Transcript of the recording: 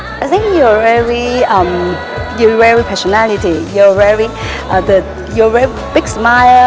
saya pikir anda sangat berkesan anda sangat beresan